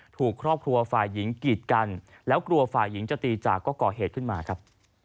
ถูกครอบครัวฝ่ายหญิงกีดกันแล้วกลัวฝ่ายหญิงจะตีจากก็ก่อเหตุขึ้นมาครับ